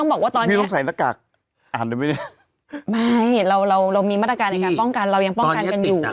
ไม่เรามีมาตรการในการป้องกันเรายังป้องกันกันอยู่